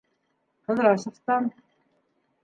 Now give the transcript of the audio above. Ҡыҙрасовтан.